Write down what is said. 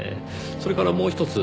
それからもうひとつ。